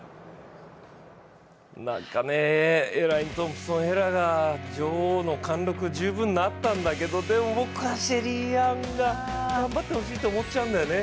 なんかね、エライン・トンプソン・ヘラが女王の貫禄十分あったんだけどでも、僕はシェリーアンに頑張ってほしいと思っちゃうんだよね。